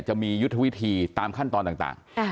จะมียุทธวิธีตามขั้นตอนต่าง